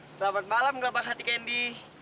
selamat malam gelombang hati kendi